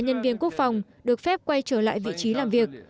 nhân viên quốc phòng được phép quay trở lại vị trí làm việc